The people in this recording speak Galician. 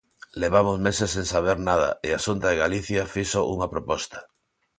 Levamos meses sen saber nada, e a Xunta de Galicia fixo unha proposta.